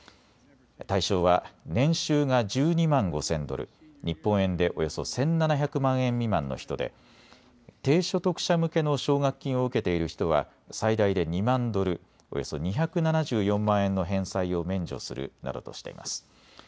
対象は年収が１２万５０００ドル、日本円でおよそ１７００万円未満の人で低所得者向けの奨学金を受けている人は最大で２万ドル、およそ２７４万円の返済を免除するなどとしています。